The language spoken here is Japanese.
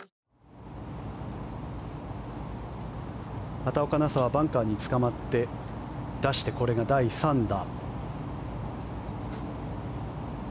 畑岡奈紗はバンカーにつかまって出して、これが第３打。